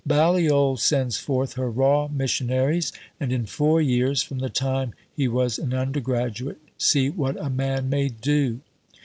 Balliol sends forth her raw missionaries; and in four years from the time he was an undergraduate, see what a man may do!"